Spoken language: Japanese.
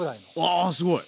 あすごい！